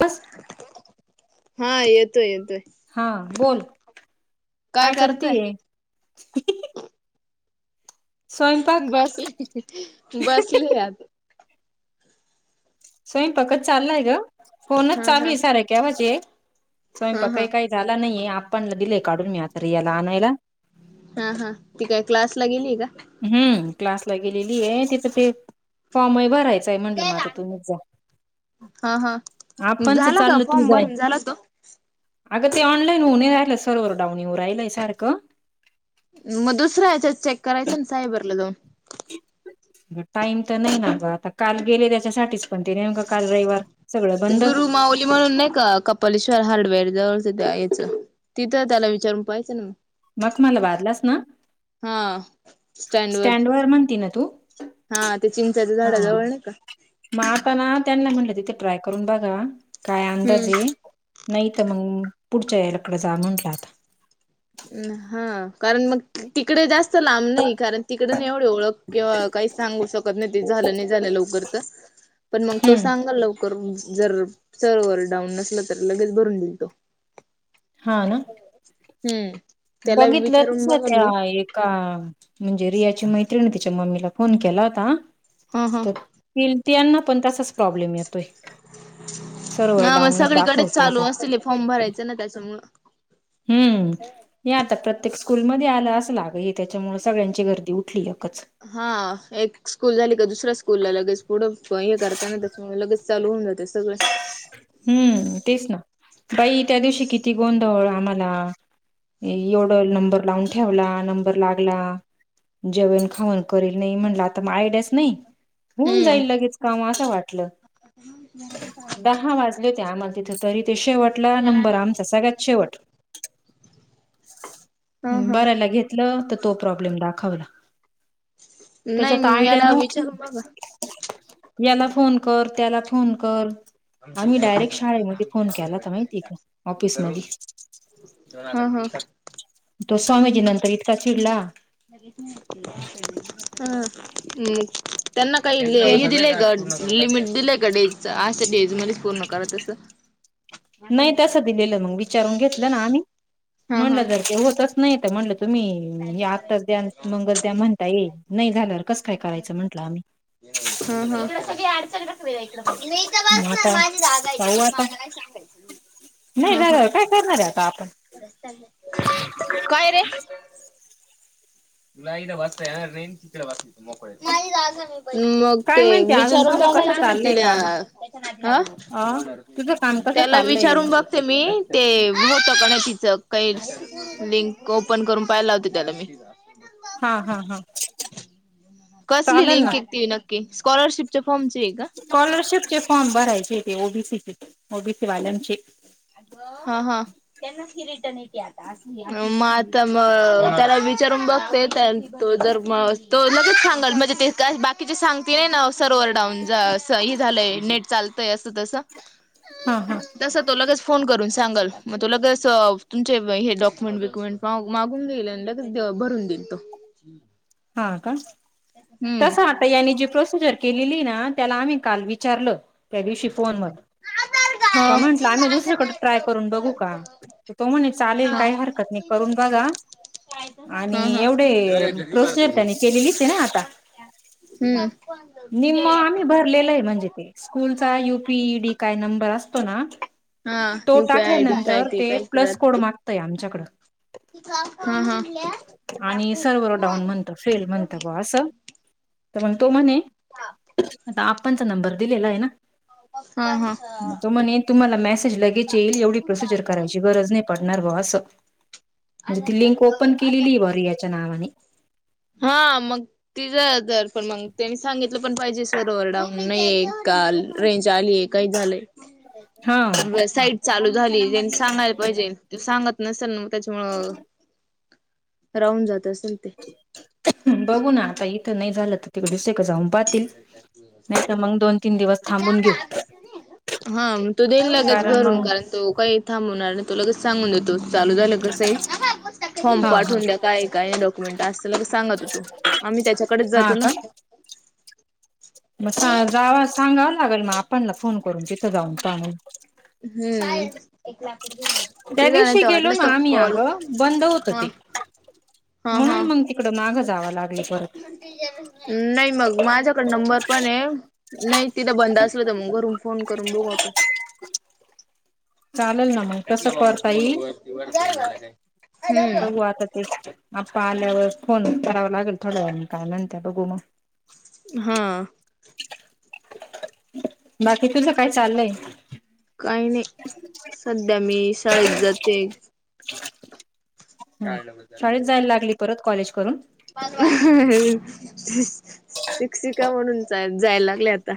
बस, हा, येतोय, येतोय. हा, बोल काय करतीय? स्वयंपाक बसली,, बसले आत. स्वयंपाकच चाललाय ग,, फोनच हा हा चालूय साार केवजी एक हा स्वयंपाक हा काही काही झाला नाहीय, आपाणला दिलेय काढून मी, आता याला आणायला. हा हा, ती काय? क्लासला गेली का? हम्म, क्लासला गेलेली आहे, तिथं ते फॉर्म आहे भरायचंय, म्हटलं म आता तुम्ही हा हा आपणच झाला का चाललं तू फॉर्म जाय भरून झाला तो अगं ते ऑनलाईन होऊणे राहिलं,, सर्वर डाऊणीऊ राहिलय सारखं. मग दुसरा या्याच्यात चेक करायच ना, सायबरला जाऊन. टाईम तर नाही ना ग, आता काल गेले त्याच्यासाठीच पण ते नेमकं काल रविवार,, सगळं बंद. माउली म्हणून नाही का? पलेश्वर हार्डवेअर जवळचं त्या यायचं,, तिथं त्याला विचारून पाहियचं ना मग. मग मला बादलास ना, हा स्टँड वर स्टँडवरर म्हणती ना तू. हा,, ते चिंचाच्या हा झाडाजवळ नै का. मग आता ना, त्यांना म्हटलं तिथे ट्राय करून बघा, काय अंदाज हम्म ये नाही तर मग,, पुढच्या या लकडं जा म्हटलं आता. हा, कारण मग तिकडे जास्तऽ लांब नाही, कारण तिकड नाही एवढं ओळख किंवा काही सांगू शकत नाही, ते झालं नाही झालं लवकर तर पण मग तो हम्म सांगल लवकर,, जर सर्वर डाऊन नसल तर लगेच भरून दिल तो. हा ना. हम्म त्याला बघितलं तस विचारून बघल त्या मी एक का म्हणजे रियाची मैत्रिणी तिच्या मम्मीला फोन केला होता हा हा तर पिल त्यांना पण तसाच प्रॉब्लेम येत सरोवर हा मग डाऊूनच सगळीकडेच दाखवतय चालू असतील हे फॉर्म ते. भरायचं ना त्याच्यामुळं हम्म,, हे आता प्रत्येक स्कूलमध्ये आलं असंल आग, हे त्याच्यामुळे सगळ्यांची गर्दी उठली एकच. हा, एक स्कूल झाली का, दुसऱ्या स्कूलला लगेच पुढं, हे करताना त्यामुळे लगेच चालू होऊन जातय सगळं हम्म, तेच ना, बाई त्या दिवशी किती गोंधळ आम्हाला. एवढं नंबर लावून ठेवला नंबर लागला जेवण खाऊण करेल नाही म्हणलं आता मग आयड्याच नाही होऊन जाईल लगेच काम असं वाटलं ह म दहा वाजले हो त्या आम्हाल तिथं तरी ते शेवटला नंबर आमचा सगळ्यात शेवट हा हा बरायला घेतलं तर तो प्रॉब्लेम दाखवला त्याच्यात नाही आयडिया याला विचारून नव्हतीच बघा याला फोन कर त्याला फोन कर आम्ही डायरेक्ट शाळेमध्ये फोन केला होता माहिती आहे का ऑफिस मधी हा हा तो स्वामीजी नंतर इतका चिडला हम् त्यांना काही ते हे दिलेय ग लिमिट दिलंय का डेजच आशा डेज मध्ये फोन न करत असत नाही त्यासं दिलेलं मग विचारून घेतलं ना आम्ही हा म्हणलं हा जर ते होतच नाही म्हणलं तुम्ही हे आत्ताच द्या मंगलद्या म्हणता ये नाही झाल्यावर कसं काय करायचं म्हटलं आम्ही. हा हा. [unintelligible] मग आता पाहू आता हम्म हम्म. करणारे आता आपण. [unintelligible] काय रे. [unintelligible] [unintelligible] मग काय ते माहिती अजून विचारून तुझं कसं बघायच ना चाललंय तिला. काम आ अ तुझं काम कसं त्याला चाललंय विचारून बघ. मी ते होत कण तिचं [unintelligible] लिंक ओपन करून पाहायला लावते त्याला मी. हा हा हा. कसली चालेल लिंक ना के ती नक्की स्कॉलरशिपच्या फॉर्मची आहे का. स्कॉलरशिपचे फॉर्म भरायचे ते ओ बी सीचे ओ बी सी वाल्यांचे. हा हा त्यांनाच फी रिटर्न येते आता. म आता म त्याला विचारून बघते त्या तो जर म तो लगेच सांगाल म्हणजे ते काय बाक की ती सांगतीये ना सर्वर डाऊन ज हे झालंय नेट चालतय असं तसं हा हा. तस तो लगेच फोन करून सांगाल मग तो लगेच तुमचे हे डॉक्युमेंट विक्युमेंट मा मागून घीईल आणि ल [unintelligible] भरून दिल तो. हा का हम्म तसं आता यांनी जी प्रोसिजर केलेली ना त्याला आम्ही काल विचारल त्या दिवशी फोन वर का हा म्हंटलं आम्ही दुसरीकडे ट्राय करून बघू का? ततो म्हणे चालेल हा काही हरकत नाही करून बघा आणि हा हा एवढे प्रोसिजर त्यांनी केलेलीच आहे ना आता. हम्म निम्म आम्ही भरलेलं आहे म्हणजे स्कूलचा यु पी ई डी काय नंबर असतो ना हा तो युपीआय आयडी काय टाकल्यानंतर ते काय प्लस कोड मागतय आमच्याकड. हा हा. आणि सर्वर डाऊन म्हणत फेल म्हणत बो असं. तर मग तो म्हणे म्हणत आप्पाचा नंबर दिलेला आहे ना हा हा. तो म्हणे तुम्हाला मेसेज लगेच येईल एवढी प्रोसिजर करायची गरज नाही पडणार ग असं. म्हणजे ती लिंक ओपन केलेली बॉ रीयाच्या नावाने. हा मग तिज जर पण मग त्यांनी सांगितलं पण पाहिजे सर ओवर डाऊन नाही ये काल रेंज आली ये. काही झालंय. हा व साईट चालू झालीये त्यांनी सांगायला पाहिजे ते सांगत नसेल न. त्याच्यामुळं राहून जात असेल ते. बघू ना आता इथं नाही झालं तर तिकडे दुसरीकड जाऊन पाहतील नाहीतर मग दोन तीन दिवस थांबून घेऊ. हाग तो देईन लगेच कारण भरून मग कारण तो काही थांबवणार नाही तो लगेच सांगून देतो. चालू झालं कस आहे. फॉर्म हा हा पाठवून द्या काय काय डॉक्युमेंट असल तर सांगत तो आम्ही त्याच्याकडेच हा जातो ना. का मग सा जाव सांगाव लागेल मग आपणला फोन करून तिथं जाऊन जाणून पहा म्हणून. हम्म. त्या तिला नाही दिवशी तर गेलो वाटलं ना तर आम्ही कॉल आगं बंद होत हा ते हा म्हणून हा मग ते तिकड मागं जावं लागले परत. नाही मग माझ्याकडे नंबर पण आहे नाही तिथं बंद असलं तरं मंग घरूंन फोन करूंन बघूं आपणं चालेलं नां मंग तसं करतांई बघूं हम्म आतां ते आप्पा आल्यांवर फोन करांवा लागेल थोड्यां वेळा नं कायं म्हणतां बघूं मंग हां बाकी तुझं कायं चाललंय कांहीं नाहीं संध्या मी शाळेंत जाते आहे हं शाळेंत जायलां लागली परंत कॉलेज करूंन शिक्षिकां म्हणूंन जांय लागलें आतां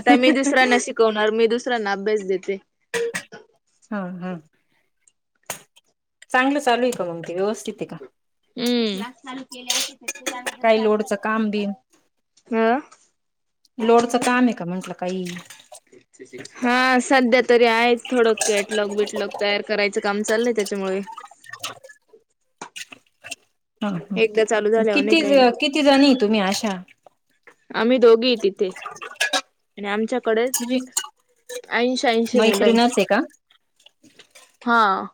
आतां मी दुसऱ्यांना शिकवणांर मी दुसऱ्यांना अभ्यांस देते हं हं चांगलं चालूं आहे कां मंग ते व्यवस्थितं आहे कां हं ते चालूं केले असदं काही चालूं झाले लोडचं काम असतें बी कायं हं लोडचं कामं आहे कां म्हंटलं कांहीं हां संध्या तरी आहेचं थोडं कॅटलॉग बिटलॉग तयार करायचं कामं चालयं त्यांच्यामुळे अच्छा हां एकदा चालू हं झाल्यावर नाही किती काही किती जणीं तुम्हीं अशा आम्हीं दोघी तिथे आणि आमच्यांकडे तुझी ऐंशी ऐंशी मुलं मैत्रिणच आहे का आहेत हां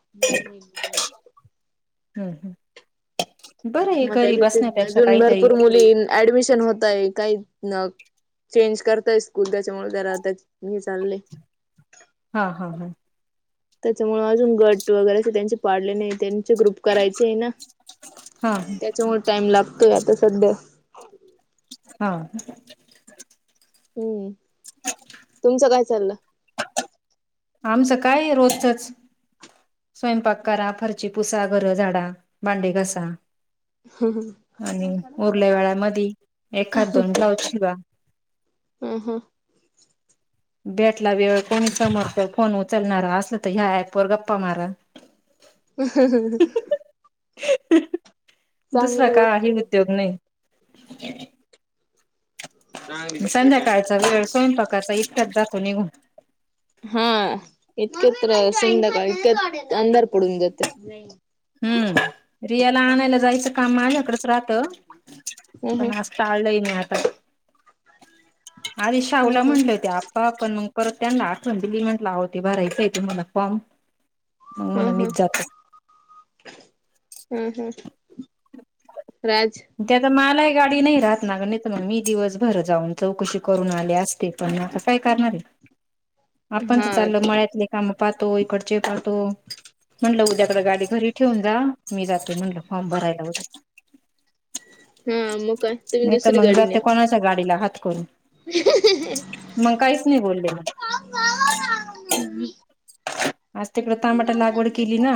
हम्मं हमं मंग त्यांच्या अजूंन भरंपूर मुली ऍडमिशन होतं आहे कांहीं मंग चेंज करतायं स्कूंल त्यांच्यामुळे त्यां जरा आतां हे चाललें हां हां हां त्यांच्यामुळे अजूंन गंट वगैरें त्यांचे पाडले नाहीं त्यांनी त्यांचे ग्रुप करायचे आहे नां हा त्यांच्यामुळे टाईम लागतोयं आतां संध्या हां हम्मं तुमचं कायं चाललं आमचं कायं रोजचंच स्वयंपाक कारां फरची पुसां घरं झाडां भांडे घासां आणि उरल्यां वेळां मध्ये एखादं दोन ब्लाऊज शिवां हं हं भेटला वेळं कोणी समोर फोन उचलणांरा असं तरं ह्यां ऍप वरं गप्पां मारां [unintelligible] [inaudible] [unintelligible] हं हं दुसरां चांगली गोष्ट कांहीं आहे उद्योगं नाहीं संध्याकांळचां वेळं स्वयंपाकाचां इतक्यांच जातो निघूनं हां इतकत्र सिंधकां इतकं अंधार पडूंन जाते हम्मं रियाला आणायलां जायचं कामं माझ्यांकडचं राहतं ह ह पणं आंज पणं टाळलयं मी आंता अरे ह शाहूलां ह म्हणलं हो त्यां प पणं मंग करतं त्यांना आठवण दिली म्हंटल अवो ते भरायचं आहे ते तुम्हांला फॉर्म मग म्हण हंम हम्मं मीच जातो हम्मं हम्मं राजं त्यां आ मलांही गांडी नाहीं राहतं नां नाहीं तरं मंग मी दिवसभर जाऊंन चौकशी करूंन आली असतें पणं कायं करणारं आहे आपणं हा तरं चाललं मळ्यांतले कामं पातो इकडंचे पातो म्हणलं उद्यांकडे गांडी घरी ठेवूंन जां मी जातो म्हणटलं फॉर्म भरायलां उद्या हां मंग कायं तुम्हीं दुसरी गांडी न्यां गांडीलां हांत करूंन [unintelligible] मग काहीच नाही बोलले का आज तिकडे तमाटा लागवड केली ना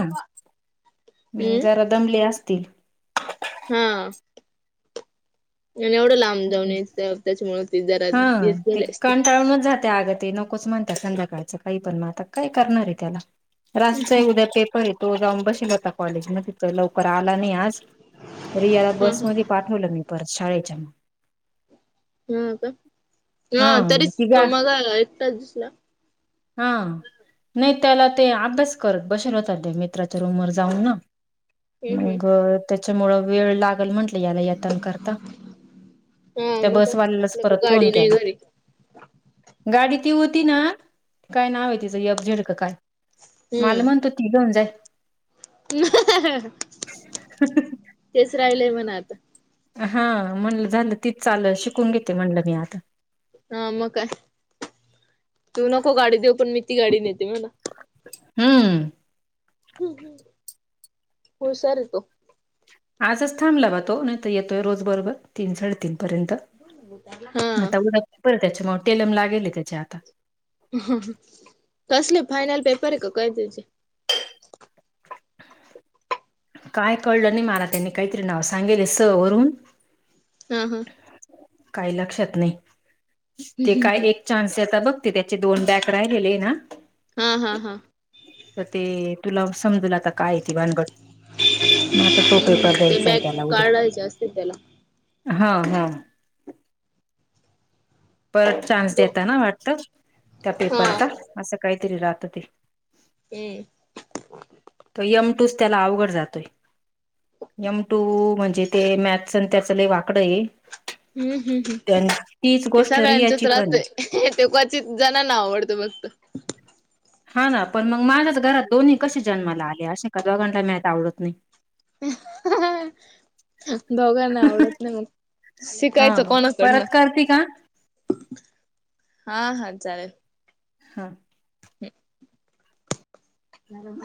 हम्म जरा दमले असतील. हा एवढं ला त्याच्यामुळे ते जरात येत गले असते. त्यान ज [inaudible] त्या आग नकोच म्हणत संध्याकाळचं काही पण महतात काय करणार आहे त्याला रास्त आहे उद्या पेपर आहे तो जाऊन बसेल होता कॉलेज मध्ये तर लवकर आला नाही आज तरी याला हा हा बसमध्ये पाठवलं मी परत शाळेच्या हा का हा तरीच ती तो गा मगा एकटाच दिसला. हा नाही त्याला ते अभ्यास करत बसेन होत मित्राच्या रूमर जाऊन ना हम्म हम्म मग त्याच्यामुळं वेळ लागेल म्हंटलं याला यातन करता. हा त्या मग काय बसवाल्यालाच आपल्या परत फोन गाडी नाही केला घरी गाडी ती होती ना काय नाव आहे तिचं यप झेडक काय मला हम्म म्हणतो ती घेऊन जाय. तेच राहिलंय मना आत. हा म्हणलं झालं तीच चाल शिकून घेते म्हणलं मी आता. हा मग काय तू नको गाडी देऊ पण मी ती गाडी नेते म्हणा हम्म ह् हुशार तो आजच थांबला पा तो नाही तर येतोय रोज बरोबर तीन साडेतीन पर्यंत हा आता उदक त्याच्या मग टेलम लागेल त्याच्या आता कसले फायनल पेपर आहे का काय तुचे काय कळलं नाही मार त्यांनी काहीतरी नाव सांगेल स वरुून हा हा' काही लक्षात नाही ते काय एक चान्स येत बघ त्याचे दोन बॅक राहिलेले ना हां हां हां तर ते तुला बी समजेल आता काय ती भानगड. मग आता तो हम्म पेपर ते द्यायचा आहे बॅग त्याला काढायचे असते त्याला उद्या हां हां पर चान्स दताना वाटत त्या हा पेपरचा असं काहीतरी राहत ते. [unintelligible] तो यम टूस त्याला अवघड जातोय. एम टू म्हणजे ते मॅथ आणि त्या च वाकडं आहे हम्म हम्म त्यां हम् तीच ते गोष्ट सकाळ्यांचंच रियाची पण आहे राहतय. ते क्वचित जणांना आवडतं फक्त. हां ना पण मग माझ्याच घरात दोन्ही कशी जन्माला आली अशी का दोघांला नाही का आवडत नाही. [inaudible] दोघांना आवडत नाही मग शिकायचं हा कोणाकडनं परत करते का हां हां चालेल. हां. हम [unintelligible]